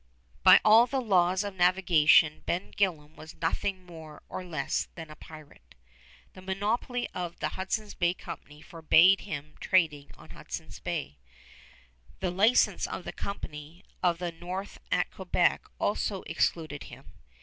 By all the laws of navigation Ben Gillam was nothing more or less than pirate. The monopoly of the Hudson's Bay Company forbade him trading on Hudson Bay. The license of the Company of the North at Quebec also excluded him.